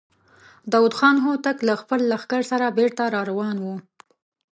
داوود خان هوتک له خپل لښکر سره بېرته را روان و.